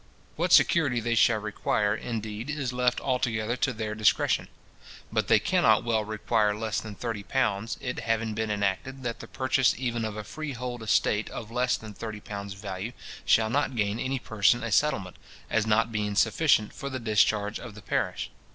What security they shall require, indeed, is left altogether to their discretion; but they cannot well require less than thirty pounds, it having been enacted, that the purchase even of a freehold estate of less than thirty pounds value, shall not gain any person a settlement, as not being sufficient for the discharge of the parish.